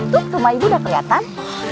tuh rumah ibu udah keliatan